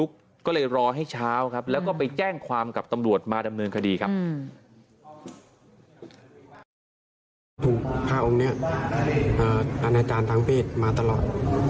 ที่สุดผ้าองค์เนี่ยอาราจารย์ทางเพศมาตลอด